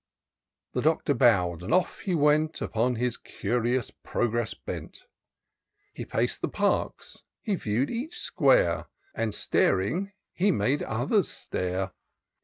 The Doctor bow'd, and off he went. Upon his curious progress bent : He pac'd the Parks — ^he view'd each square, And staring, he made others stare.